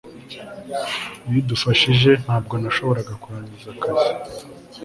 iyo udafashijwe, ntabwo nashoboraga kurangiza akazi